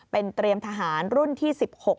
เป็นเตรียมทหารรุ่นที่๑๖